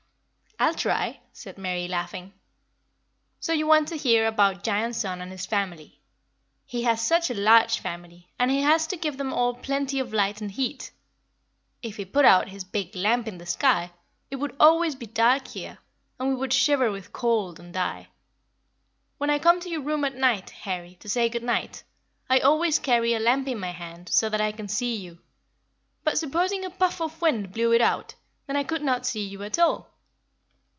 "I'll try," said Mary, laughing. "So you want to hear about Giant Sun and his family. He has such a large family, and he has to give them all plenty of light and heat. If he put out his big lamp in the sky, it would be always dark here, and we would shiver with cold and die. When I come to your room at night, Harry, to say good night, I always carry a lamp in my hand so that I can see you; but supposing a puff of wind blew it out, then I could not see you at all.